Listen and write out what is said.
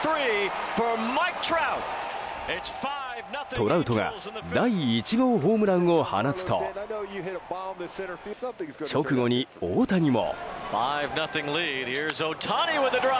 トラウトが第１号ホームランを放つと直後に大谷も。